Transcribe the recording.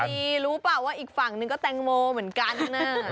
มีรู้เปล่าว่าอีกฝั่งนึงก็แตงโมเหมือนกันนะ